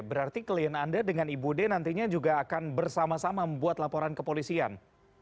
berarti klien anda dengan ibu d nantinya juga akan bersama sama membuat laporan kepolisian